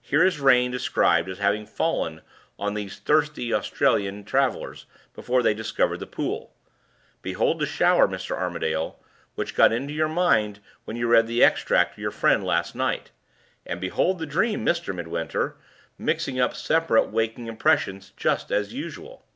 "Here is rain described as having fallen on these thirsty Australian travelers, before they discovered the pool. Behold the shower, Mr. Armadale, which got into your mind when you read the extract to your friend last night! And behold the dream, Mr. Midwinter, mixing up separate waking impressions just as usual!"